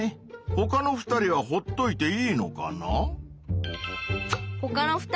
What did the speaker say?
ほかの２人はほっといていいのかな？